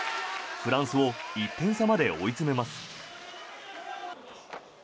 フランスを１点差まで追い詰めます。